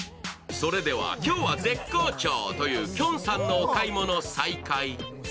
それでは今日は絶好調というきょんさんのお買い物再開。